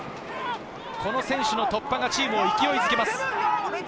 この選手の突破がチームを勢い付けます。